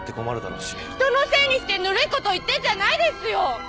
人のせいにしてぬるいこと言ってんじゃないですよ！